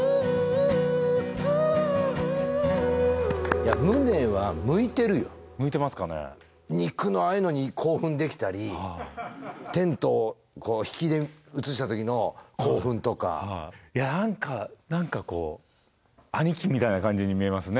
いやムネは向いてるよ向いてますかね肉のああいうのに興奮できたりテントを引きで映した時の興奮とかいや何か何かこう兄貴みたいな感じに見えますね